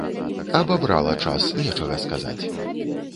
Абабрала час, нечага сказаць.